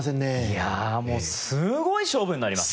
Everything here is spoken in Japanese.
いやあもうすごい勝負になります。